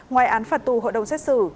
ngoài án phạt tù hội đồng xét xử